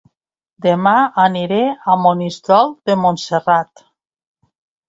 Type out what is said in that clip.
Dema aniré a Monistrol de Montserrat